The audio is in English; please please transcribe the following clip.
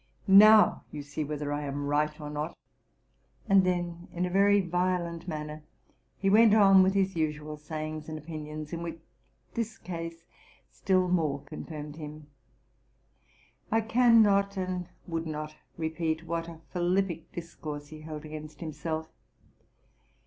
Now, you see whether I am right or not.'' And then, in a very violent manner, he went on with his usual sayings and opinions, in which this case still more confirmed him. I can not and would not repeat what a philippic discourse he held against himself.